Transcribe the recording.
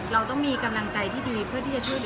เราต้องมีกำลังใจที่ดีเพื่อช่วยผู้ชายได้